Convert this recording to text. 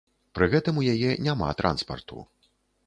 Пры гэтым у яе няма транспарту.